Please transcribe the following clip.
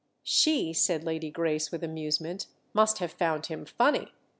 "She," said Lady Grace with amusement, "must have found him funny!